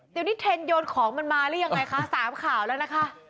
เดี๋ยวนี้เทรนดโยนของมันมาหรือยังไงคะ๓ข่าวแล้วนะคะ